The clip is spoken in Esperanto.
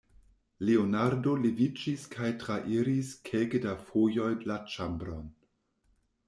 Leonardo leviĝis kaj trairis kelke da fojoj la ĉambron.